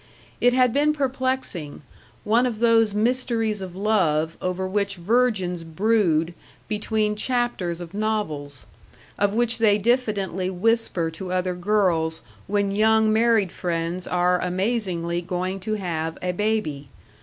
It had been perplexing one of those mysteries of love over which virgins brood between chapters of novels, of which they diffidently whisper to other girls when young married friends are amazingly going to have a baby.